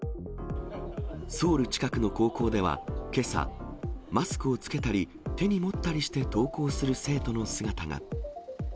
ソウル近くの高校では、けさ、マスクを着けたり、手に持ったりして登校する生徒の姿が。